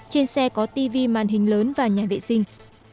trên xe có tv màn hình lớn và nhà vệ sinh